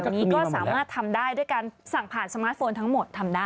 อันนี้ก็สามารถทำได้ด้วยการสั่งผ่านสมาร์ทโฟนทั้งหมดทำได้